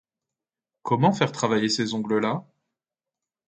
Comment faire travailler ces ongles-là?